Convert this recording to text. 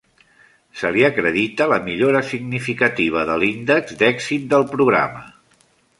Se li acredita la millora significativa de l'índex d'èxit del programa.